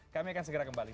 kami akan segera kembali